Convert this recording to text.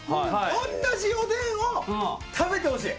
おんなじおでんを食べてほしい。